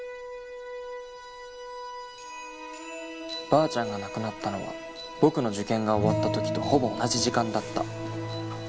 ばあちゃんが亡くなったのは僕の受験が終わった時とほぼ同じ時間だった。